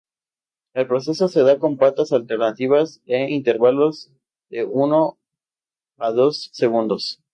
El proceso se da con patas alternativas en intervalos de uno o dos segundos.